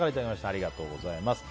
ありがとうございます。